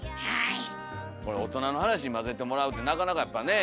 これ大人の話に交ぜてもらうってなかなかやっぱねえ？